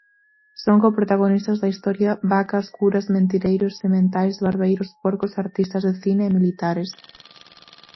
Son coprotagonistas da historia vacas, curas, mentireiros, sementais, barbeiros, porcos, artistas de cine e militares.